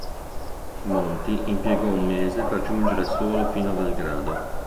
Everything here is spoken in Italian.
Monti impiegò un mese per giungere solo fino a Belgrado.